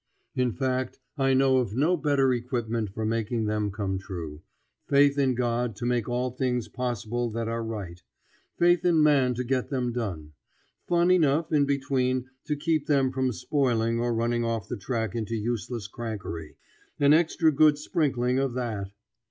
In fact, I know of no better equipment for making them come true: faith in God to make all things possible that are right; faith in man to get them done; fun enough in between to keep them from spoiling or running off the track into useless crankery. An extra good sprinkling of that!